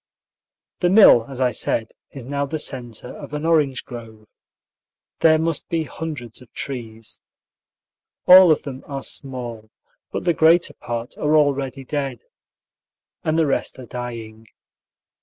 The mill, as I said, is now the centre of an orange grove. There must be hundreds of trees. All of them are small, but the greater part are already dead, and the rest are dying.